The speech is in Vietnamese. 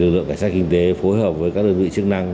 lực lượng cảnh sát kinh tế phối hợp với các đơn vị chức năng